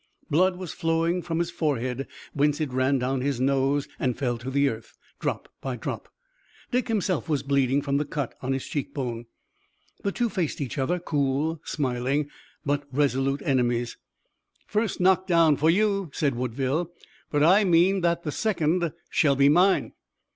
Blood was flowing from his forehead, whence it ran down his nose and fell to the earth, drop by drop. Dick himself was bleeding from the cut on his cheek bone. The two faced each other, cool, smiling, but resolute enemies. "First knockdown for you," said Woodville, "but I mean that the second shall be mine."